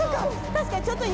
確かにちょっと。